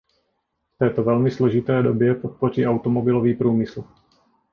V této velmi složité době podpoří automobilový průmysl.